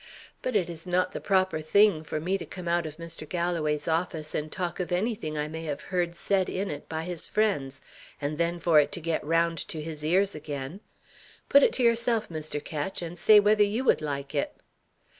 "But it is not the proper thing, for me to come out of Mr. Galloway's office, and talk of anything I may have heard said in it by his friends, and then for it to get round to his ears again! Put it to yourself, Mr. Ketch, and say whether you would like it."